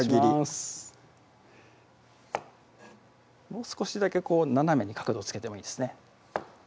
もう少しだけ斜めに角度つけてもいいですね